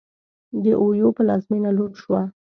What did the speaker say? د اویو پلازمېنه لوټ شوه.